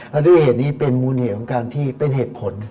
แล้วด้วยเหตุนี้เป็นมูลเหตุของการที่เป็นเหตุผล